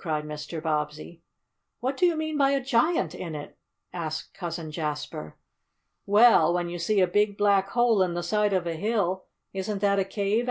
cried Mr. Bobbsey. "What do you mean by a giant in it?" asked Cousin Jasper. "Well, when you see a big black hole in the side of a hill, isn't that a cave?"